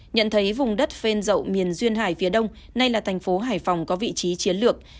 nhận thấy vùng đất phên rậu miền duyên hải phía đông nay là thành phố hải phòng có vị trí chiến lược